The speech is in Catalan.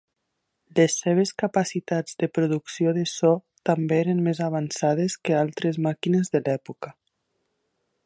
Les seves capacitats de producció de so també eren més avançades que altres màquines de l'època.